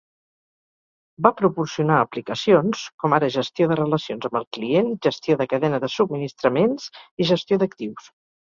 Va proporcionar aplicacions com ara gestió de relacions amb el client, gestió de cadena de subministraments i gestió d'actius.